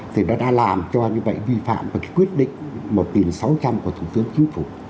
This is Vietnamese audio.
thì nó đã làm cho như vậy vi phạm và cái quyết định một nghìn sáu trăm linh của thủ tướng chính phủ